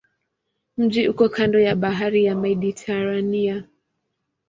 Mji uko kando ya bahari ya Mediteranea.